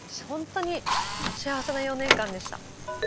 ほんとに幸せな４年間でした。